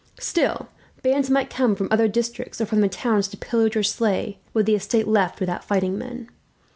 Still, bands might come from other districts, or from the towns, to pillage or slay were the estate left without fighting men.